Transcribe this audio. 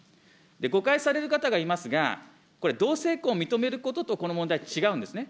誤解される方がいますが、これ同性婚を認めることと、この問題、違うんですね。